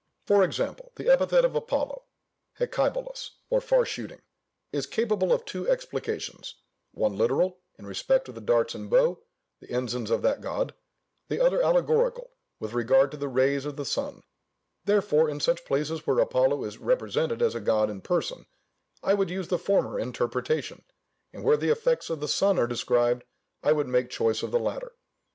For example, the epithet of Apollo, ἑκηβόλος or "far shooting," is capable of two explications; one literal, in respect of the darts and bow, the ensigns of that god; the other allegorical, with regard to the rays of the sun; therefore, in such places where Apollo is represented as a god in person, I would use the former interpretation; and where the effects of the sun are described, I would make choice of the latter.